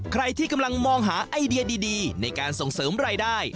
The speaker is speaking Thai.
ใครที่กำลังมองหาไอเดียดีในการส่งเสริมรายได้